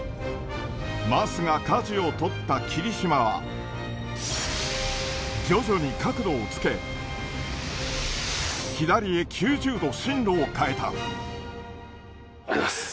桝がかじをとったきりしまは、徐々に角度をつけ、左へ９０度、ありがとうございます。